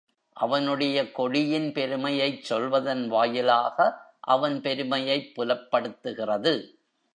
அவனுடைய கொடியின் பெருமையைச் சொல்வதன் வாயிலாக அவன் பெருமையைப் புலப்படுத்துகிறது.